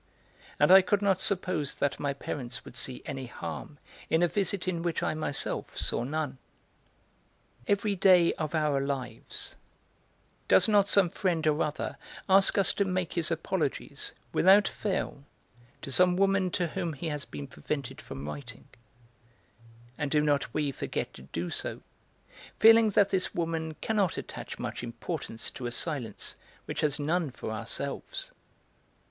And I could not suppose that my parents would see any harm in a visit in which I myself saw none. Every day of our lives does not some friend or other ask us to make his apologies, without fail, to some woman to whom he has been prevented from writing; and do not we forget to do so, feeling that this woman cannot attach much importance to a silence which has none for ourselves?